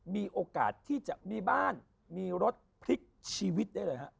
มีโอกาสที่จะมีบ้านมีรถพลิกชีวิตได้เลยฮะ